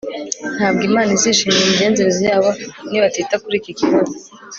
ntabwo imana izishimira imigenzereze yabo nibatita kuri iki kibazo